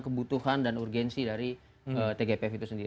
kebutuhan dan urgensi dari tgpf itu sendiri